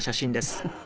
フフフフ。